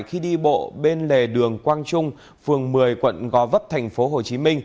khi đi bộ bên lề đường quang trung phường một mươi quận gò vấp tp hcm